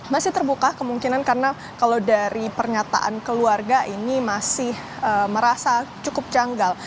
masih terbuka kemungkinan karena kalau dari pernyataan keluarga ini masih merasa cukup janggal